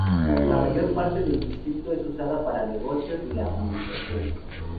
La mayor parte del distrito es usada para negocios y la administración.